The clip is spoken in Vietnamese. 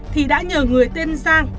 thì đã nhờ người tên giang